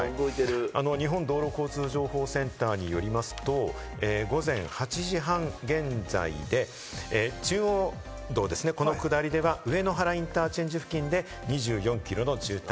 日本道路交通情報センターによりますと、午前８時半現在で中央道ですね、この下りでは上野原インターチェンジ付近で２４キロの渋滞。